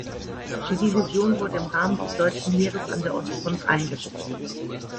Die Division wurde im Rahmen des deutschen Heeres an der Ostfront eingesetzt.